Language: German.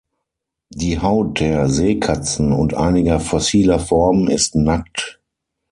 Die Haut der Seekatzen und einiger fossiler Formen ist nackt.